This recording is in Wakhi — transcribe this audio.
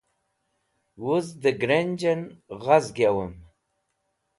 wuz da grenj'en g̃hazg yawem